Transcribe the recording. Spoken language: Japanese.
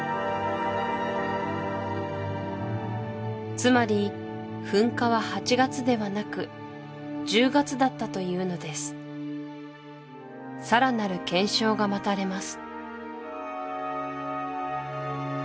つまり噴火は８月ではなく１０月だったというのですさらなる検証が待たれます